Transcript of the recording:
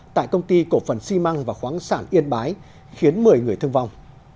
tại công ty cổ phần xi măng và khoáng sản yên bái khiến một mươi người thương vong